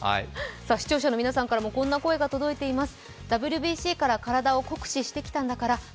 視聴者の皆さんからもこんな声が届いています。